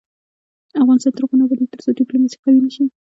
افغانستان تر هغو نه ابادیږي، ترڅو ډیپلوماسي قوي نشي.